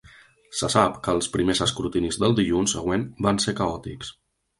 Se sap que els primers escrutinis del dilluns següent van ser caòtics.